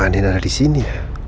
mbak andin ada disini